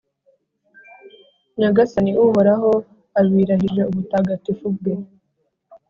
Nyagasani Uhoraho abirahije ubutagatifu bwe